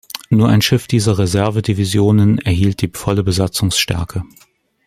Nur ein Schiff dieser Reservedivisionen erhielt die volle Besatzungsstärke.